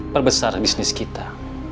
perbesar bisnis kita